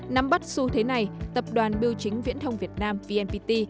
nắm bắt xu thế này tập đoàn biêu chính viễn thông việt nam vnpt